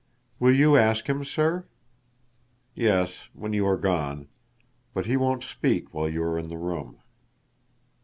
"Will you ask him, sir?" "Yes, when you are gone. But he won't speak while you are in the room."